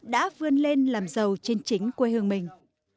đã vươn lên làm giàu trên chính quê hương mình